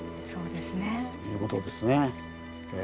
そうですね。ということですね。